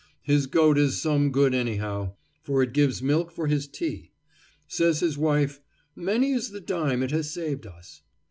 His goat is some good anyhow, for it gives milk for his tea. Says his wife, "Many is the dime it has saved us."